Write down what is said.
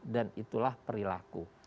dan itulah perilaku